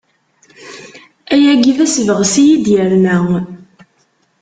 Ayagi d asebɣes i yi-d-yerna.